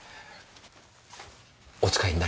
お使いになりますか？